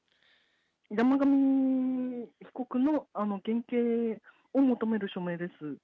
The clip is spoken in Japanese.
山上被告の減軽を求める署名です。